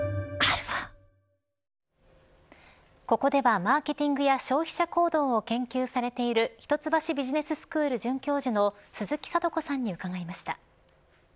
ここではマーケティングや消費者行動を研究されている一橋ビジネススクール准教授の鈴木智子さんに伺いました。